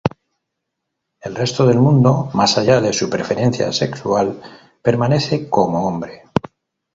El resto del mundo, más allá de su preferencia sexual, permanece como hombre.